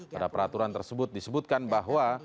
pada peraturan tersebut disebutkan bahwa